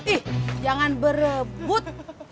ih jangan berebut